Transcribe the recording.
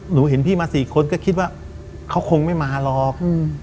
เห็นพี่มา๔คนก็คิดว่าเขาคงไม่มาหรอก